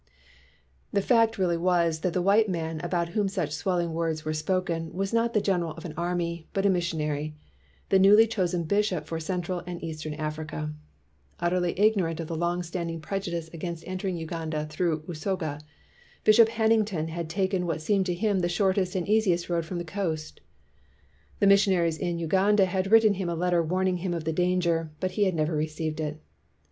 The fact really was that the white man about whom such swelling words were spoken was not the general of an army, but a missionary, the newly chosen bishop for Central and Eastern Africa. Utterly igno rant of the long standing prejudice against entering Uganda through Usoga, Bishop Hannington had taken what seemed to him the shortest and easiest road from the coast. The missionaries in Uganda had written him a letter warning him of the danger, but he had never received it.